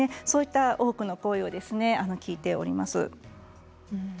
そういった多くの声を聞いております。